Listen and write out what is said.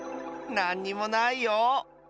なんにもないよ！